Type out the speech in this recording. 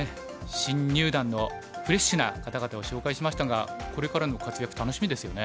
新入段のフレッシュな方々を紹介しましたがこれからの活躍楽しみですよね。